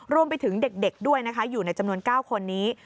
รวมไปถึงเด็กด้วยนะคะอยู่ในจำนวน๙คนนี้